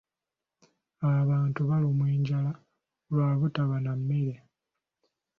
Abantu balumwa enjala lwa butaba na mmere.